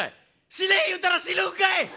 死ね言うたら死ぬんかい！